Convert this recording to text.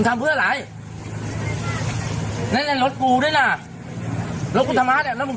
ไม่ดีคนขับรถตู้นี่ถึงขั้นบอกว่า